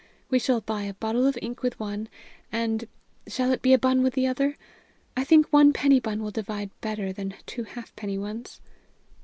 We shall buy a bottle of ink with one, and shall it be a bun with the other? I think one penny bun will divide better than two halfpenny ones."